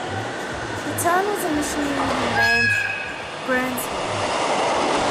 The town was initially named Granton.